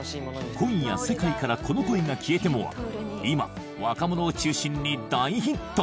「今夜、世界からこの恋が消えても」は今若者を中心に大ヒット。